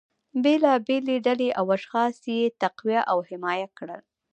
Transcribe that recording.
بیلابیلې ډلې او اشخاص یې تقویه او حمایه کړل